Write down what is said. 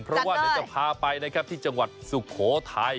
เพราะว่าเดี๋ยวจะพาไปนะครับที่จังหวัดสุโขทัย